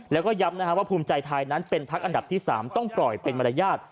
แล้วก็ย้ำว่าภูมิใจไทยนั้นเป็นพักอันดับที่๓ต้องปล่อยเป็นมารยาท